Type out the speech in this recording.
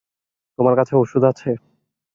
তোমার কাছে ওষুধ আছে?